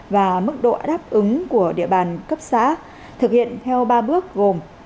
và mức độ đáp ứng của địa bàn cấp xã thực hiện theo ba bước gồm